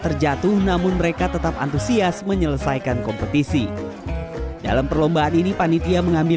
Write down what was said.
terjatuh namun mereka tetap antusias menyelesaikan kompetisi dalam perlombaan ini panitia mengambil